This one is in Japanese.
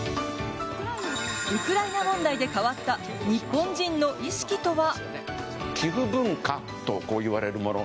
ウクライナ問題で変わった日本人の意識とは？